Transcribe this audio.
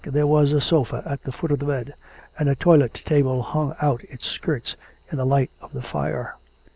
There was a sofa at the foot of the bed, and a toilet table hung out its skirts in the light of the fire.